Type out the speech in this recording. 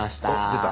出た。